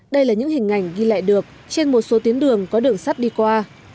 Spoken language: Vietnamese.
đây là những hình ảnh ghi lại được trên một số tuyến đường có đường sắt đi qua